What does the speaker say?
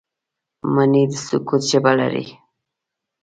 مني د سکوت ژبه لري